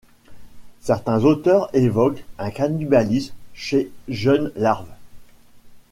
Certains auteurs évoquent un cannibalisme chez jeunes larves.